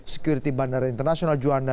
sekuriti bandara internasional juanda